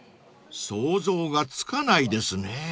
［想像がつかないですね］